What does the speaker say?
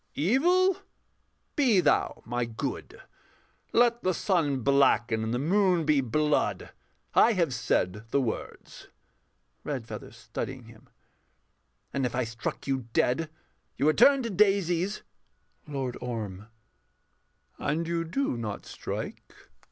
Evil, be thou my good; Let the sun blacken and the moon be blood: I have said the words. REDFEATHER [studying him]. And if I struck you dead, You would turn to daisies! LORD ORM. And you do not strike.